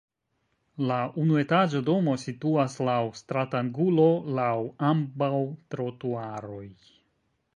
La unuetaĝa domo situas laŭ stratangulo laŭ ambaŭ trotuaroj.